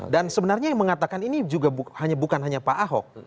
sebenarnya yang mengatakan ini juga bukan hanya pak ahok